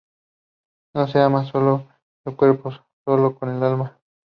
No se ama solo con el cuerpo ni solo con el alma.